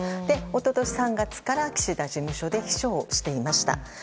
一昨年３月から岸田事務所で秘書をしていました。